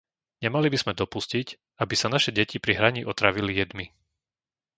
Nemali by sme dopustiť, aby sa naše deti pri hraní otrávili jedmi!